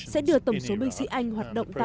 sẽ đưa tổng số binh sĩ anh hoạt động vào iraq